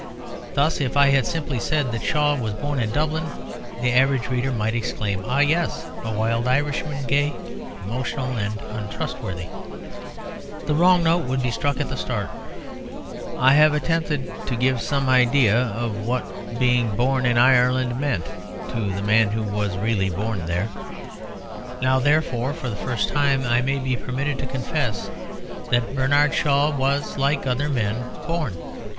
Thus, if I had simply said that Shaw was born in Dublin the average reader might exclaim, "Ah yes a wild Irishman, gay, emotional and untrustworthy." The wrong note would be struck at the start. I have attempted to give some idea of what being born in Ireland meant to the man who was really born there. Now therefore for the first time I may be permitted to confess that Bernard Shaw was, like other men, born.